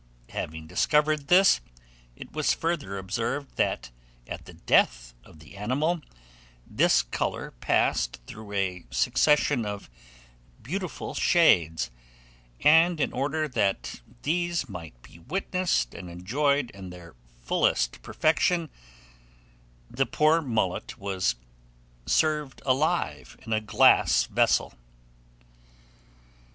Having discovered this, it was further observed that at the death of the animal, this colour passed through a succession of beautiful shades, and, in order that these might be witnessed and enjoyed in their fullest perfection, the poor mullet was served alive in a glass vessel.